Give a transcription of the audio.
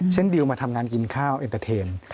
ดิวมาทำงานกินข้าวเอ็นเตอร์เทน